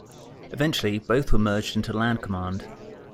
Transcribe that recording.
Eventually, both were merged into Land Command.